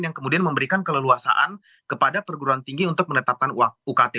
yang kemudian memberikan keleluasaan kepada perguruan tinggi untuk menetapkan ukt